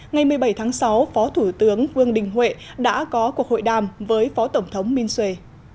ngày một mươi bảy tháng sáu phó thủ tướng vương đình huệ đã có cuộc hội đàm với phó tổng thống minh suê